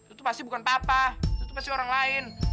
itu pasti bukan papa itu pasti orang lain